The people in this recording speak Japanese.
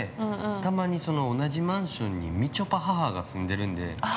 たまに、同じマンションにみちょぱ母が住んでるんで。